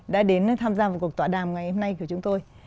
đã đến tham gia một cuộc tọa đàm ngày hôm nay của chúng tôi